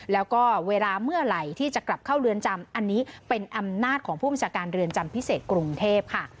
แล้วก็เวลาเมื่อไหร่ที่จะกลับเข้าเรือนจำอันนี้เป็นอำนาจของผู้บัญชาการเรือนจำพิเศษกรุงเทพค่ะ